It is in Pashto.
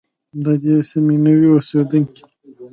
د دې سیمې نوي اوسېدونکي دي.